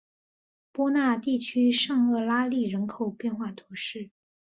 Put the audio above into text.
波讷地区圣厄拉利人口变化图示